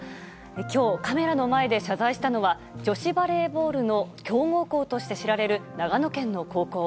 今日、カメラの前で謝罪したのは女子バレーボールの強豪校として知られる長野県の高校。